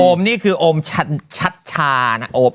โอ้มนี่คือโอ้มชชจาน่ะโอ้ม